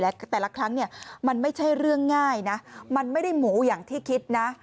แต่ละครั้งเนี่ยมันไม่ใช่เรื่องง่ายนะมันไม่ได้หมูอย่างที่คิดนะ